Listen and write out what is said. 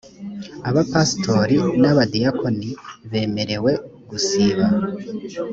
abapastori n’abadiyakoni bemerewe gusiba